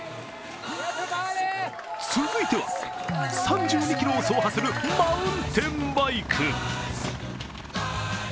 続いては３２ｋｍを走破するマウンテンバイク。